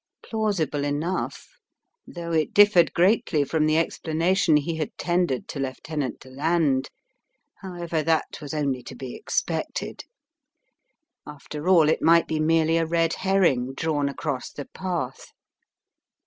Plausible enough, though it differed greatly from the explana tion he had tendered to Lieutenant Deland. How ever, that was only to be expected. ... After all, it might be merely a red herring drawn across the path.